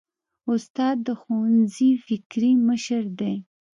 استاد د ښوونځي فکري مشر دی.